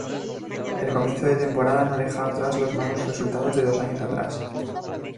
El comienzo de temporada no dejaba atrás los malos resultados de dos años atrás.